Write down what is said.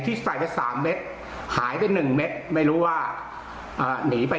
ที่ใส่ไปสามเม็ดหายไปหนึ่งเม็ดไม่รู้ว่าหนีไป